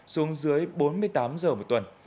xuống dưới bốn mươi tám giờ một tuần